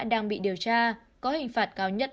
đang bị điều tra có hình phạt cao nhất